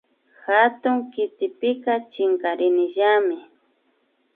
Hatun kitipika chinkarinillami